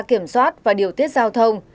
kiểm soát và điều tiết giao thông